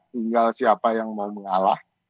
tinggal siapa yang mau mengalah